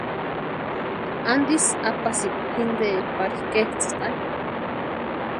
¿Antisï apasikwa jintee pari ketsʼïtani?